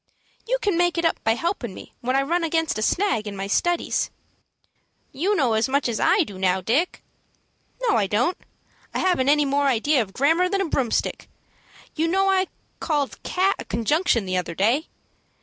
"You can make it up by helpin' me when I run against a snag, in my studies." "You know as much as I do now, Dick." "No, I don't. I haven't any more ideas of grammar than a broomstick. You know I called 'cat' a conjunction the other day.